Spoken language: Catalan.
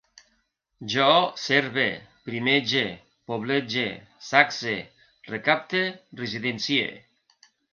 Jo serve, primege, poblege, sacse, recapte, residencie